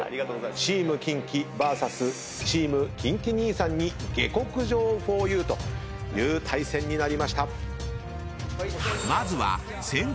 ＴＥＡＭＫｉｎＫｉＶＳチームＫｉｎＫｉ兄さんに下克上ふぉゆという対戦になりました。